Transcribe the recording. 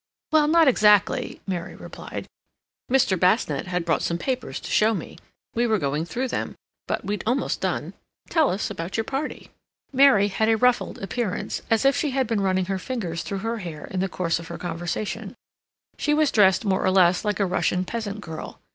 "Well, not exactly," Mary replied. "Mr. Basnett had brought some papers to show me. We were going through them, but we'd almost done.... Tell us about your party." Mary had a ruffled appearance, as if she had been running her fingers through her hair in the course of her conversation; she was dressed more or less like a Russian peasant girl.